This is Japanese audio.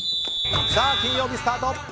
金曜日、スタート。